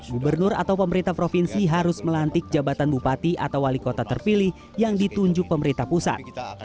gubernur atau pemerintah provinsi harus melantik jabatan bupati atau wali kota terpilih yang ditunjuk pemerintah pusat